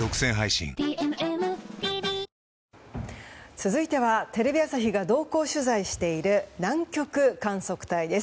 続いてはテレビ朝日が同行取材している南極観測隊です。